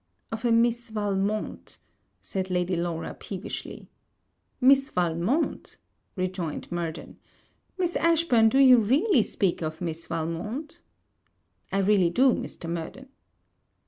'Of a Miss Valmont,' said Lady Laura, peevishly. 'Miss Valmont!' rejoined Murden, 'Miss Ashburn, do you really speak of Miss Valmont?' 'I really do, Mr. Murden.'